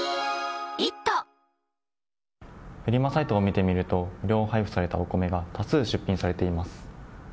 フリマサイトを見てみると無料配布されたお米が多数、出品されています。